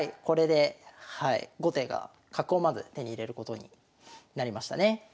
これではい後手が角をまず手に入れることになりましたね。